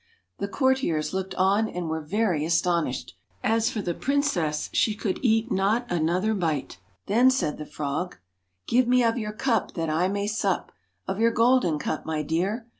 The courtiers looked on and were very astonished. As for the princess, she could eat not another bite. Then said the frog ' Give me of your cup, that I may sup, Of your golden cup, my dear.